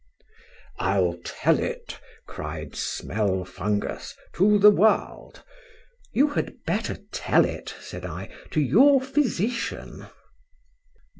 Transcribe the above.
— —I'll tell it, cried Smelfungus, to the world. You had better tell it, said I, to your physician.